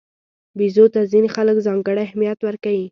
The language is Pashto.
بیزو ته ځینې خلک ځانګړی اهمیت ورکوي.